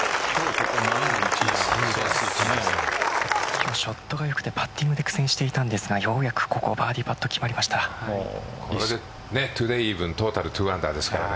今日、ショットが良くてパッティングで苦戦していたんですがようやくここトゥデイイーブントータル２アンダーですからね。